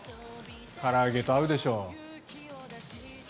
から揚げと合うでしょう。